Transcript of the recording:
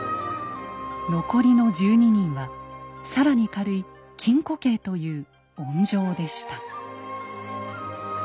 残りの１２人は更に軽い禁錮刑という温情でした。